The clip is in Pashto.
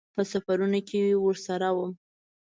په سفرونو کې ورسره وم.